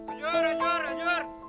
anjur anjur anjur